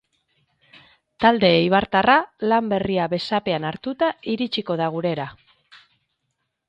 Talde eibartarra lan berria besapean hartuta iritsiko da gurera.